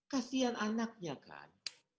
kasian anaknya kan